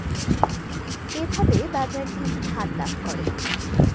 এভাবে বাজারটি স্থান লাভ করে।